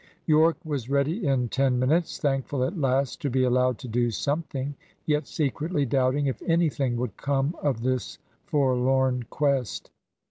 Yorke was ready in ten minutes thankful at last to be allowed to do something, yet secretly doubting if anything would come of this forlorn quest.